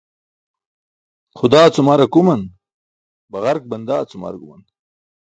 Xudaa cum ar akuman, baġark bandaa cum ar guman.